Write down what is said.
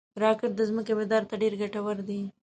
راکټ د ځمکې مدار ته ډېر ګټور دي